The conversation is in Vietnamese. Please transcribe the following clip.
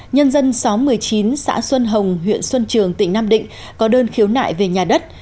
nhân dân xóm một mươi chín xã xuân hồng huyện xuân trường tỉnh nam định có đơn khiếu nại về nhà đất